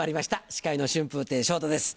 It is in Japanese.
司会の春風亭昇太です